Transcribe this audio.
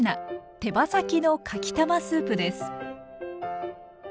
手羽先のかきたまスープです。